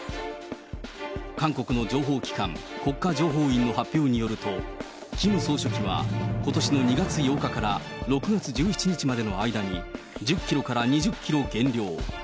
韓国の情報機関、国家情報院の発表によると、キム総書記はことしの２月８日から、６月１１日までの間に、１０キロから２０キロ減量。